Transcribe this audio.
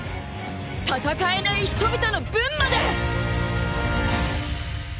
戦えない人々の分まで！